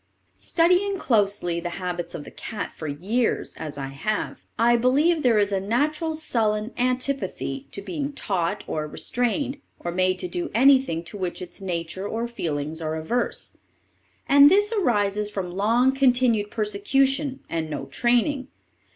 Studying closely the habits of the cat for years, as I have, I believe there is a natural sullen antipathy to being taught or restrained, or made to do anything to which its nature or feelings are averse; and this arises from long continued persecution and no training.